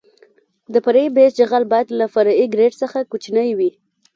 د فرعي بیس جغل باید له فرعي ګریډ څخه کوچنی وي